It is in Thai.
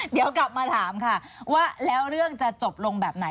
เดี๋ยวกลับมาถามค่ะว่าแล้วเรื่องจะจบลงแบบไหน